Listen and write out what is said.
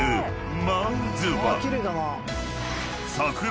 ［まずは］